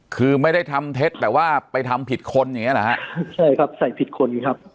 คือไม่ได้ทำเท็จแต่ว่าไปทำผิดคนอย่างเงี้เหรอฮะใช่ครับใส่ผิดคนครับ